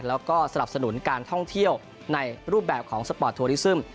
แล้วก็สนับสนุนการท่องเที่ยวในรูปแบบของสปอร์ตทัวริซึม